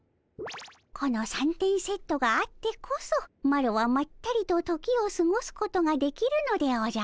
この三点セットがあってこそマロはまったりと時をすごすことができるのでおじゃる。